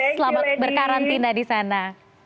selamat berkarantina di sana